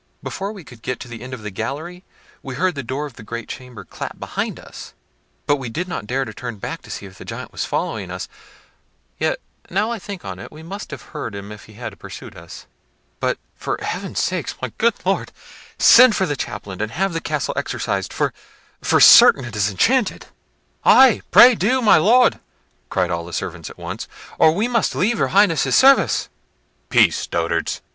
Before we could get to the end of the gallery, we heard the door of the great chamber clap behind us, but we did not dare turn back to see if the giant was following us—yet, now I think on it, we must have heard him if he had pursued us—but for Heaven's sake, good my Lord, send for the chaplain, and have the castle exorcised, for, for certain, it is enchanted." "Ay, pray do, my Lord," cried all the servants at once, "or we must leave your Highness's service." "Peace, dotards!"